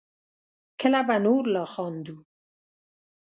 کله به نور لا خندوو